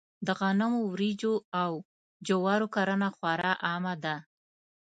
د غنمو، وريجو او جوارو کرنه خورا عامه ده.